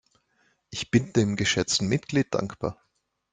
Ich bin dem geschätzten Mitglied dankbar.